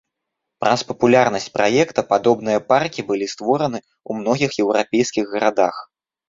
Праз папулярнасць праекта падобныя паркі былі створаны ў многіх еўрапейскіх гарадах.